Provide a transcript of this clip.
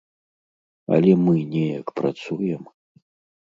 Але мы неяк працуем.